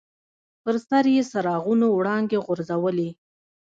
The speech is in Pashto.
پر سر یې څراغونو وړانګې غورځولې.